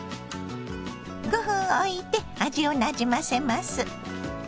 ５分おいて味をなじませます。